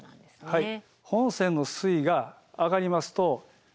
はい。